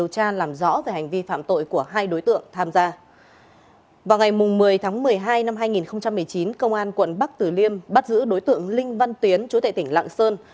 vào ngày một mươi tháng một mươi hai năm hai nghìn một mươi chín công an quận bắc tử liêm bắt giữ đối tượng linh văn tiến chú tại tỉnh lạng sơn